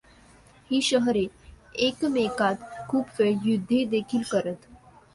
ही शहरे एकमेकांत खूपवेळ युद्धे देखील करत.